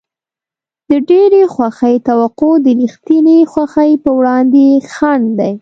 د ډېرې خوښۍ توقع د رښتینې خوښۍ په وړاندې خنډ دی.